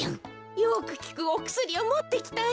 よくきくおくすりをもってきたよ。